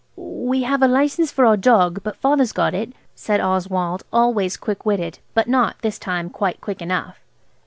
"We have a license for our dog, but Father's got it," said Oswald, always quick witted, but not, this time, quite quick enough.